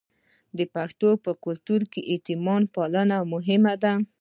د پښتنو په کلتور کې د یتیم پالنه مهمه ده.